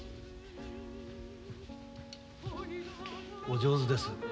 お上手です